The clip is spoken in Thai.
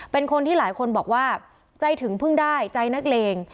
เป็นคนที่หลายคนบอกว่าใจถึงเพิ่งได้ใจนักเลง